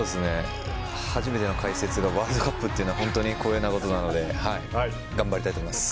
初めての解説がワールドカップというのは本当に光栄なことなので頑張りたいと思います。